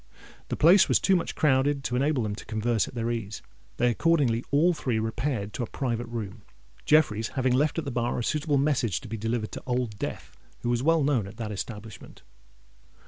The place was too much crowded to enable them to converse at their ease: they accordingly all three repaired to a private room, Jeffreys having left at the bar a suitable message to be delivered to Old Death who was well known at that establishment.